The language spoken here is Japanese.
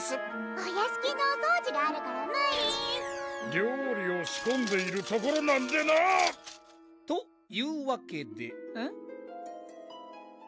お屋敷のお掃除があるから無理料理をしこんでいるところなんでな！というわけでえっ？